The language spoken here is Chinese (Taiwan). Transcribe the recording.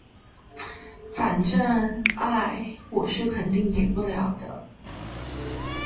反正，愛，我是肯定給不了的